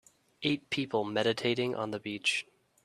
Eight people meditating on the beach